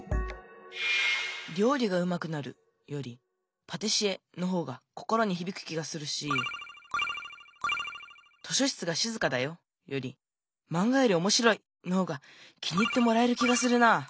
「りょうりが上手くなる」より「パティシエ」の方が心にひびく気がするし「図書室がしずかだよ」より「マンガよりおもしろい」の方が気に入ってもらえる気がするな。